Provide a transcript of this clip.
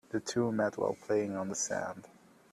The two met while playing on the sand.